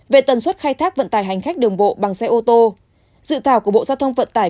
về tần suất khai thác vận tài hành khách đường bộ bằng xe ô tô dự thảo của bộ giao thông vận tải